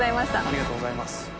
ありがとうございます。